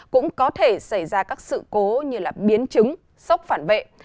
cũng có thể xảy ra các sự cố như biến chứng sốc phản vệ